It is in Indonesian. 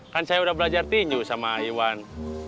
kan saya udah belajar tinju sama iwan